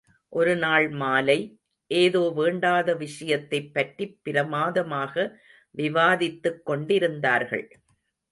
ஒரு நாள் மாலை, ஏதோ வேண்டாத விஷயத்தைப் பற்றிப் பிரமாதமாக விவாதித்துக் கொண்டிருந்தார்கள்.